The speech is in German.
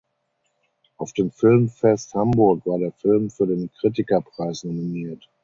Auf dem Filmfest Hamburg war der Film für den Kritikerpreis nominiert.